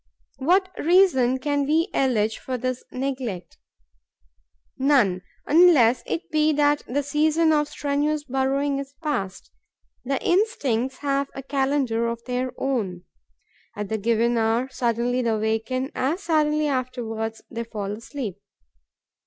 What reason can we allege for this neglect? None, unless it be that the season of strenuous burrowing is past. The instincts have a calendar of their own. At the given hour, suddenly they awaken; as suddenly, afterwards, they fall asleep.